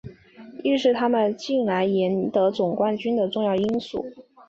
亦是他们近年来赢得总冠军的重要因素。